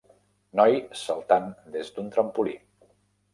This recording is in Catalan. Noi saltant des d'un trampolí.